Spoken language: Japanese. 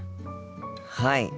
はい。